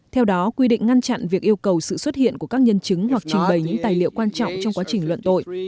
theo đó quy định ngăn chặn việc yêu cầu sự xuất hiện của các nhân chứng hoặc trình bày những tài liệu quan trọng trong quá trình luận tội